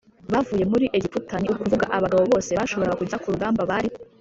bavuye muri Egiputa ni ukuvuga abagabo bose bashoboraga kujya ku rugamba bari